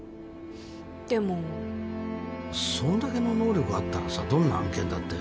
でもそんだけの能力あったらさどんな案件だって